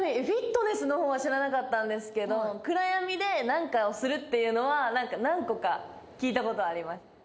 フィットネスの方は知らなかったんですけど暗闇で何かをするっていうのは何個か聞いたことあります。